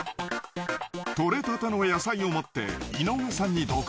採れたての野菜を持って井上さんに同行。